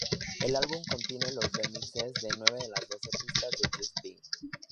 El álbum contiene los remixes de nueve de las doce pistas de "Just Be".